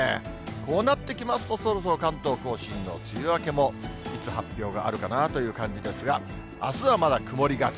こうなってきますと、そろそろ関東甲信の梅雨明けもいつ発表があるかなという感じですが、あすはまだ曇りがち。